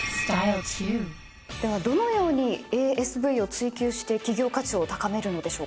ではどのようにＡＳＶを追求して企業価値を高めるのでしょうか？